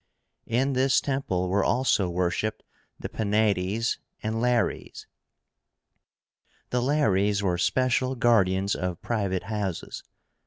In this temple were also worshipped the Penátes and Lares. The LARES were special guardians of private houses.